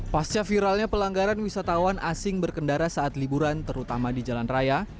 pasca viralnya pelanggaran wisatawan asing berkendara saat liburan terutama di jalan raya